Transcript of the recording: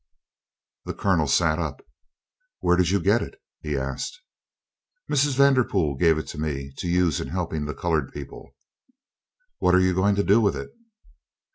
The Colonel sat up. "Where did you get it?" he asked. "Mrs. Vanderpool gave it to me to use in helping the colored people." "What are you going to do with it?"